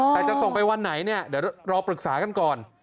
แต่จะส่งไปวันไหนเนี่ยเดี๋ยวรอปรึกษากันก่อน